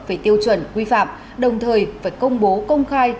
về tiêu chuẩn quy phạm đồng thời phải công bố công khai